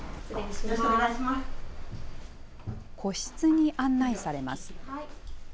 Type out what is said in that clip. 個室に案内されます。